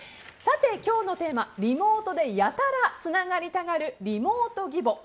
今日のテーマリモートでやたらつながりたがるリモート義母。